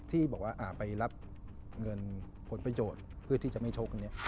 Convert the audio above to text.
ที่บอกว่าไปรับเงินผลประโยชน์เพื่อที่จะไม่ชกอันนี้